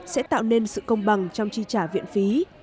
sẽ tạo nên sự công bằng trong chi trả viện phí